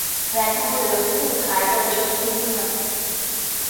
แหวนทองเหลืองถูกขายโดยชนพื้นเมือง